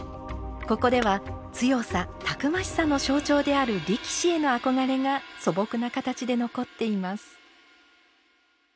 ここでは強さたくましさの象徴である力士への憧れが素朴な形で残っています。